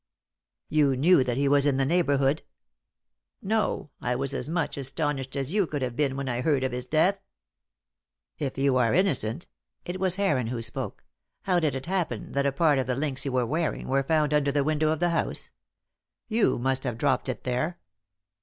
"You knew that he was in the neighbourhood?" "No, I was as much astonished as you could have been when I heard of his death." "If you are innocent" It was Heron who spoke "how did it happen that a part of the links you were wearing were found under the window of the house? You must have dropped it there."